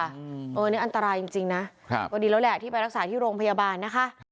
อันนี้อันตรายจริงนะก็ดีแล้วแหละที่ไปรักษาที่โรงพยาบาลนะคะ